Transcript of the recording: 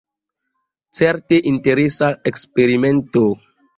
Certe interesa eksperimento.